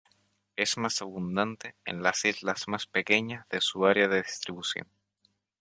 Es más abundante en las islas más pequeñas de su área de distribución.